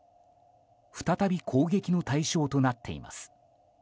再び攻撃の対象となっています。